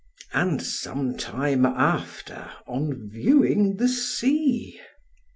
and some time after on viewing the sea.